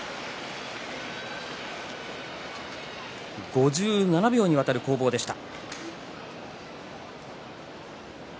５７秒にわたる攻防でした。